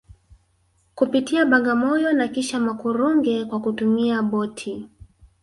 kupitia Bagamoyo na kisha Makurunge kwa kutumia boti